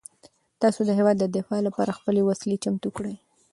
تاسو د هیواد د دفاع لپاره خپلې وسلې چمتو کړئ.